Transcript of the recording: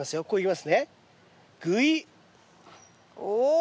お。